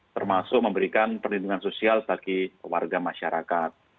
termasuk memberikan perlindungan sosial bagi warga masyarakat